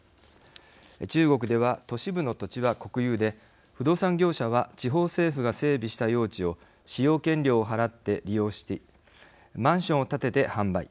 中国では都市部の土地は国有で不動産業者は地方政府が整備した用地を使用権料を払って利用しマンションを建てて販売。